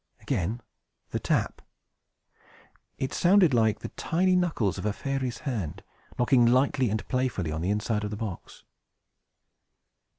Again the tap! It sounded like the tiny knuckles of a fairy's hand, knocking lightly and playfully on the inside of the box.